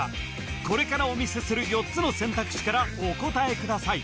これからお見せする４つの選択肢からお答えください